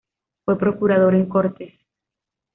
Fue Procurador en Cortes.